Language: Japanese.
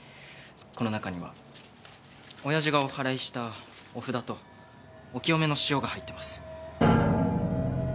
この中には親父がおはらいしたお札とお清めの塩が入ってます。